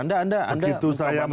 begitu saya masuk